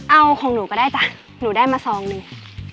เอาของหนูก็ได้จ้ะหนูได้มาซองหนึ่ง